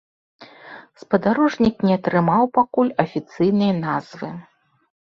Спадарожнік не атрымаў пакуль афіцыйнай назвы.